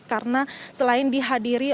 karena selain dihadiri orangnya